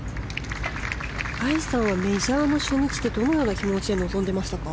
藍さんはメジャーの初日ってどのような気持ちで臨んでいましたか？